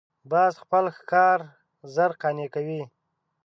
باز خپل ښکار ژر قانع کوي